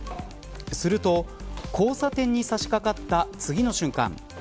すると、交差点に差し掛かった次の瞬間